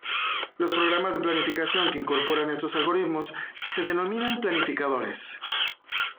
Los programas de planificación que incorporan estos algoritmos se denominan planificadores.